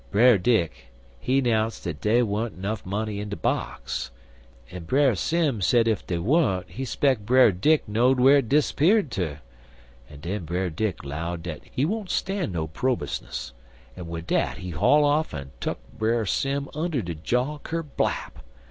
Brer Dick, he 'nounced dat dey wern't nuff money in de box; an' Brer Sim said if dey wern't he speck Brer Dick know'd whar it disappeared ter; an' den Brer Dick 'low'd dat he won't stan' no 'probusness, an' wid dat he haul off an' tuck Brer Sim under de jaw ker blap!